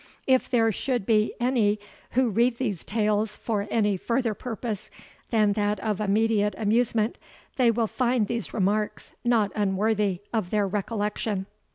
If there should be any who read these tales for any further purpose than that of immediate amusement, they will find these remarks not unworthy of their recollection.